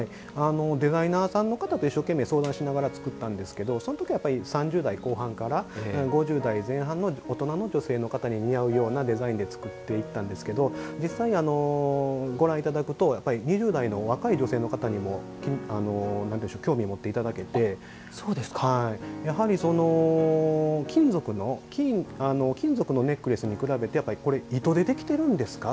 デザイナーさんの方と一生懸命相談しながら作ったんですがその時は３０代から５０代前半の大人の女性の方に似合うようなデザインで作っていったんですが実際に、ご覧いただくと２０代の若い女性の方々にも興味を持っていただけてやはり金属のネックレスに比べてこれ、糸でできてるんですか？